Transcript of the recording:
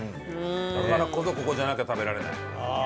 だからこそここじゃなきゃ食べられない。